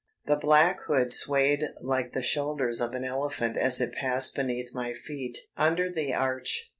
The black hood swayed like the shoulders of an elephant as it passed beneath my feet under the arch.